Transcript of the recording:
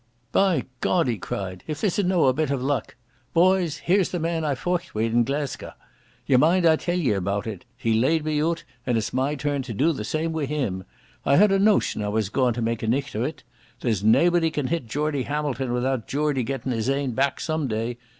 "By God!" he cried, "if this is no a bit o' luck! Boys, here's the man I feucht wi' in Glesca. Ye mind I telled ye about it. He laid me oot, and it's my turn to do the same wi' him. I had a notion I was gaun to mak' a nicht o't. There's naebody can hit Geordie Hamilton without Geordie gettin' his ain back some day.